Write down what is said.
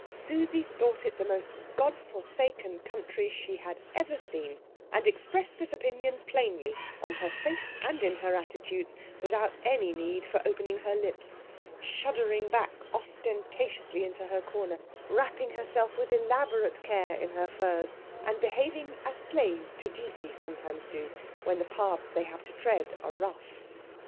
Susie thought it the most God forsaken country she had ever seen, and expressed this opinion plainly on her face and in her attitudes without any need for opening her lips, shuddering back ostentatiously into her corner, wrapping herself with elaborate care in her furs, and behaving as slaves to duty sometimes do when the paths they have to tread are rough.